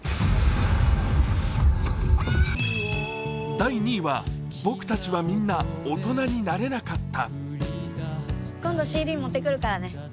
第２位は「ボクたちはみんなおとなになれなかった」。